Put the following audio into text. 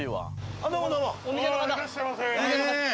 ああいらっしゃいませ。